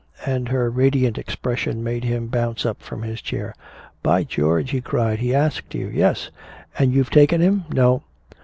And her radiant expression made him bounce up from his chair. "By George," he cried, "he asked you!" "Yes!" "And you've taken him!" "No!"